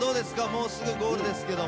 もうすぐゴールですけども。